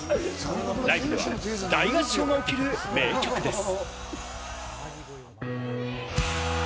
ライブでは大合唱が起きる名曲です。